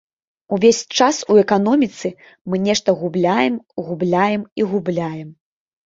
Увесь час у эканоміцы мы нешта губляем, губляем і губляем.